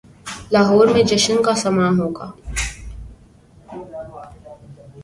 لاہور میں جشن کا سماں ہو گا۔